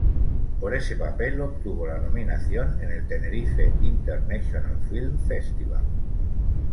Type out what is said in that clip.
Por ese papel obtuvo la nominación en el Tenerife International Film Festival.